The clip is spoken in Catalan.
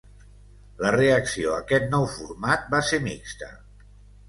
La reacció a aquest nou format va ser mixta.